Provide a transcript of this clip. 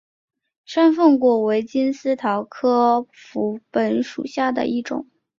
山凤果为金丝桃科福木属下的一个种。